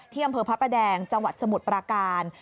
ที่อำเภอพระแดงจวัตรสมุทรประการ